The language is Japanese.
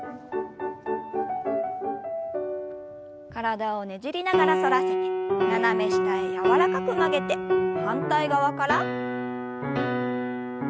体をねじりながら反らせて斜め下へ柔らかく曲げて反対側から。